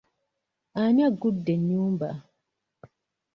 Ani aggudde ennyumba?